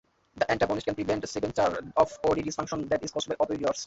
The antagonist can prevent sphincter of Oddi dysfunction that is caused by opioids.